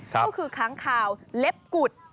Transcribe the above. ก็คือค้างคาวเล็บกุด